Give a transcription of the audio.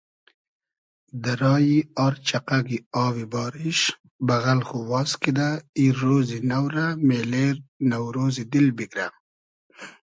دۂ رایی آر چئقئگی آوی باریش بئغئل خو واز کیدۂ ای رۉزی نۆ رۂ مېلې نۆرۉزی دیل بیگرۂ